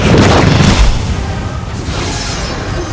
sebelum naik negeri